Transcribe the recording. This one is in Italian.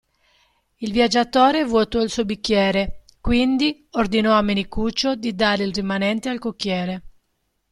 Il viaggiatore vuotò il suo bicchiere, quindi ordinò a Menicuccio di dare il rimanente al cocchiere.